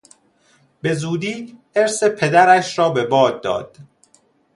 به زودی ارث پدرش را به باد داد.